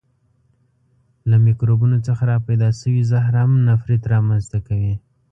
له میکروبونو څخه را پیدا شوی زهر هم نفریت را منځ ته کوي.